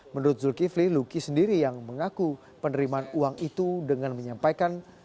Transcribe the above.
menurut zulkifli luki sendiri yang mengaku penerimaan uang itu dengan menyampaikan